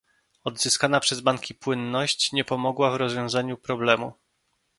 Odzyskana przez banki płynność, nie pomogła w rozwiązaniu problemu